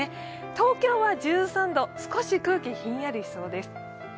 東京は１３度と少し空気がひんやりそうです。